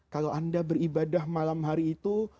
kalau anda beribadah malam hari itu